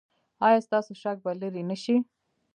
ایا ستاسو شک به لرې نه شي؟